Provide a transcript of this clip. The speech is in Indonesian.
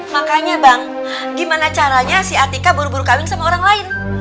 makanya bang gimana caranya si atika buru buru kawin sama orang lain